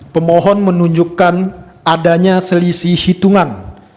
pemohon menunjukkan adanya selisih hitungan